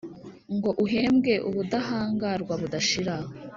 ngo uhembwe ubudahangarwa budashira,